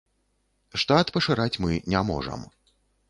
Штат пашыраць мы не можам.